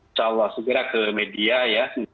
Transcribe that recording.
insya allah segera ke media ya